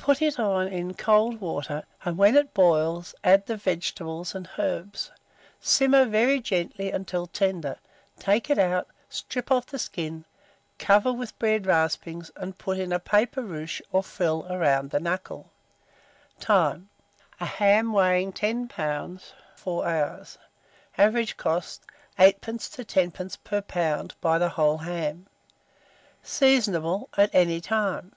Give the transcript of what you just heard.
Put it on in cold water, and when it boils, add the vegetables and herbs. Simmer very gently until tender, take it out, strip off the skin, cover with bread raspings, and put a paper ruche or frill round the knuckle. Time. A ham weighing 10 lbs., 4 hours. Average cost, 8d. to 10d. per lb. by the whole ham. Seasonable at any time.